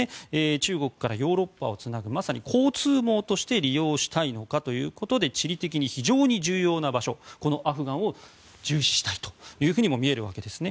中国からヨーロッパをつなぐまさに交通網として利用したいのかということで地理的に非常に重要な場所アフガンを重視したいと見えるわけですね。